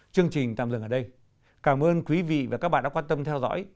chương trình tạm dừng ở đây cảm ơn quý vị và các bạn đã quan tâm theo dõi